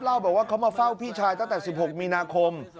เล่าบอกว่าเขามาเฝ้าพี่ชายตั้งแต่๑๖มีนาคม